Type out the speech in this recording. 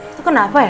itu kenapa ya